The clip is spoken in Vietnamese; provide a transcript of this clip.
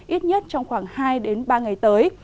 ít nhất trong khoảng hai ba ngày tới